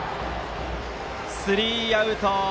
スリーアウト。